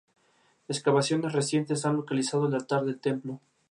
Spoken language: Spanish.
Cuando Janet tiene una buena oportunidad como actriz renuncia para casarse con Alberto.